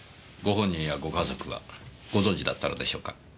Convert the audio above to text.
ご本人やご家族はご存じだったのでしょうか？